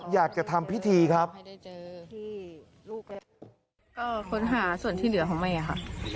อยากจะทำพิธีครับก็ค้นหาส่วนที่เหลือของแม่ค่ะ